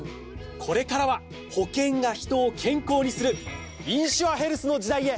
これからは保険が人を健康にするインシュアヘルスの時代へ！